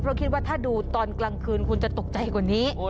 เพราะคิดว่าถ้าดูตอนกลางคืนคุณจะตกใจกว่านี้